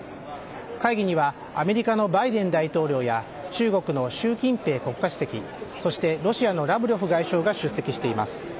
会議には、アメリカのバイデン大統領や中国の習近平国家主席、そしてロシアのラブロフ外相が出席しています。